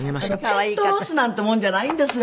ペットロスなんてもんじゃないんですよ。